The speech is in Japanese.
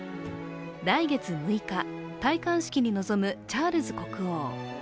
来月６日、戴冠式に臨むチャールズ国王。